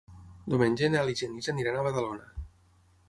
Diumenge en Nel i en Genís aniran a Badalona.